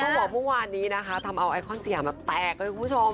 ต้องบอกว่าพรุ่งวานนี้นะคะทำเอาไอคอนเสียงมาแตกเลยคุณผู้ชม